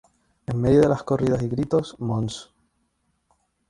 En medio de las corridas y gritos, mons.